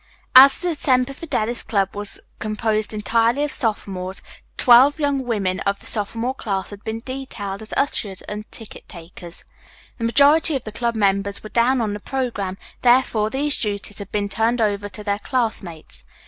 As the Semper Fidelis Club was composed entirely of sophomores, twelve young women of the sophomore class had been detailed as ushers and ticket takers. The majority of the club members were down on the programme, therefore these duties had been turned over to their classmates.